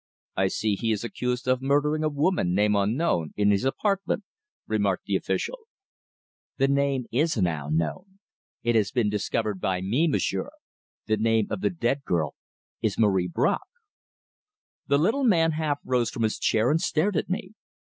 "I see he is accused of murdering a woman, name unknown, in his apartment," remarked the official. "The name is now known it has been discovered by me, m'sieur. The name of the dead girl is Marie Bracq." The little man half rose from his chair and stared at me.